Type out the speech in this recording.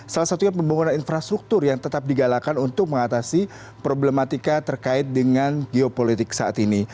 salah satunya pembangunan infrastruktur yang tetap digalakan untuk mengatasi problematika terkait dengan geopolitik saat ini